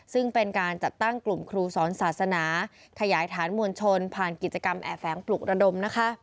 ซึ่งเป็นการจัดตั้งกลุ่มครูสอนศาสนาขยายฐานมวลชนผ่านกิจกรรมแอบแฝงปลุกระดมนะคะ